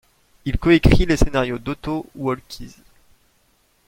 Il coécrit les scénarios d'Otto Waalkes.